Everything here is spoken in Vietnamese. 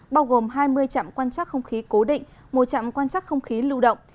bao gồm hai mươi chạm quan chắc không khí cố định một chạm quan chắc không khí lưu động